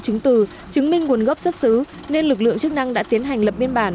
chứng từ chứng minh nguồn gốc xuất xứ nên lực lượng chức năng đã tiến hành lập biên bản